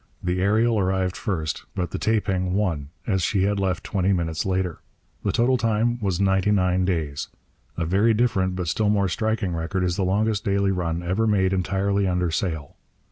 The Ariel arrived first; but the Taeping won, as she had left twenty minutes later. The total time was ninety nine days. A very different, but still more striking, record is the longest daily run ever made entirely under sail.